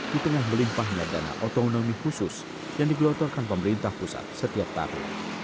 di tengah melimpahnya dana otonomi khusus yang digelontorkan pemerintah pusat setiap tahun